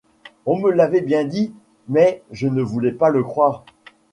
On me l’avait bien dit, mais je ne voulais pas le croire.